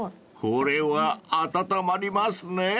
［これは温まりますね］